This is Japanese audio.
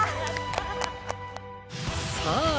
さあ